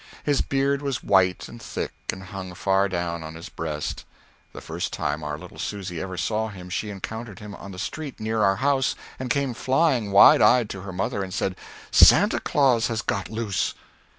His beard was white and thick and hung far down on his breast. The first time our little Susy ever saw him she encountered him on the street near our house and came flying wide eyed to her mother and said, "Santa Claus has got loose!"